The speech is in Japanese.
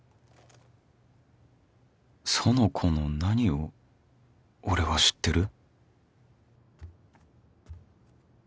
苑子の何を俺は知ってる？